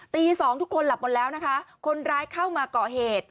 ตีสองทุกคนหลับหมดแล้วนะคะคนร้ายเข้ามาก่อเหตุ